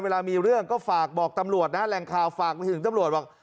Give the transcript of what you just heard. เวลามีเรื่องก็ฝากบอกตำรวจนะแหล่งข่าวฝากไปถึงตำรวจบอก